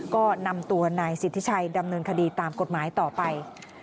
ก็นำตัวนายสิทธิชัยดำเนินคดีตามกฎหมายต่อไป